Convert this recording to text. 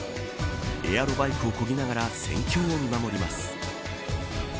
エアロバイクをこぎながら戦況を見守ります。